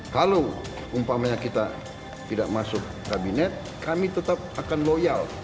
kalau kita tidak masuk kabinet northern keadaan kita versa loyal